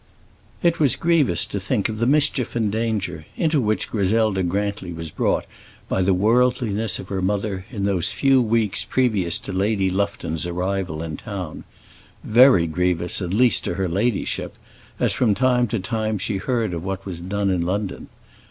It was grievous to think of the mischief and danger into which Griselda Grantly was brought by the worldliness of her mother in those few weeks previous to Lady Lufton's arrival in town very grievous, at least, to her ladyship, as from time to time she heard of what was done in London.